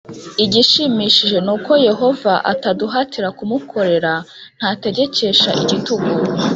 Igishimishije ni uko Yehova ataduhatira kumukorera Ntategekesha igitugu